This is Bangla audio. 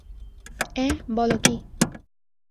অ্যাঁ, বল কী!